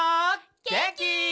げんき？